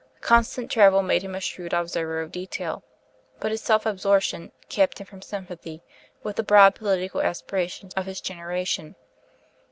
Constant travel made him a shrewd observer of detail, but his self absorption kept him from sympathy with the broad political aspirations of his generation.